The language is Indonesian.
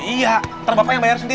iya ntar bapak yang bayar sendiri